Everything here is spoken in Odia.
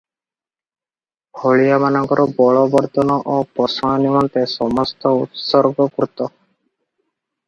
ହଳିଆ ମାନଙ୍କର ବଳବର୍ଦ୍ଧନ ଓ ପୋଷଣ ନିମନ୍ତେ ସମସ୍ତ ଉତ୍ସର୍ଗି କୃତ ।